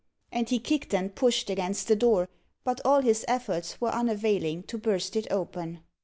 And he kicked and pushed against the door, but all his efforts were unavailing to burst it open.